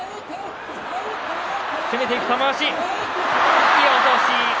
突き落とし。